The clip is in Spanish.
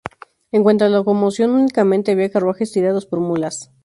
En cuanto a locomoción únicamente había carruajes tirados por mulas.